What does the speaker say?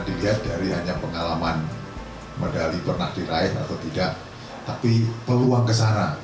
dilihat dari hanya pengalaman medali pernah diraih atau tidak tapi peluang kesana